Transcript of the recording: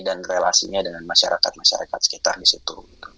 dan relasinya dengan masyarakat masyarakat sekitar di situ